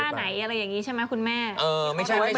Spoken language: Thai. ไหนอะไรอย่างนี้ใช่ไหมคุณแม่